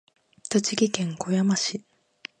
栃木県小山市